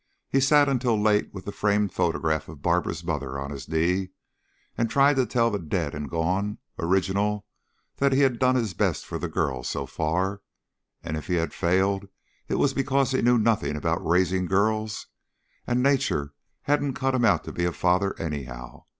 He sat until late with the framed photograph of Barbara's mother on his knee, and tried to tell the dead and gone original that he had done his best for the girl so far, and if he had failed, it was because he knew nothing about raising girls and nature hadn't cut him out to be a father, anyhow.